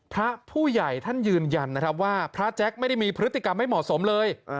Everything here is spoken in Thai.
พระผู้ใหญ่ท่านยืนยันนะครับว่าพระแจ๊คไม่ได้มีพฤติกรรมไม่เหมาะสมเลย